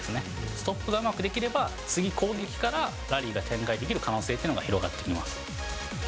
ストップがうまくできれば、次、攻撃からラリーが展開できる可能性というのが広がってきます。